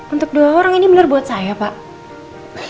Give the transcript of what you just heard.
untuk dua orang ini benar buat saya pak